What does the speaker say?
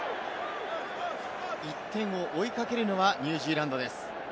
１点を追いかけるのはニュージーランドです。